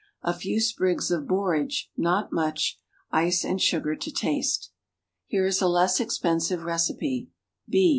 A few sprigs of borage; not much. Ice and sugar to taste. Here is a less expensive recipe: _B.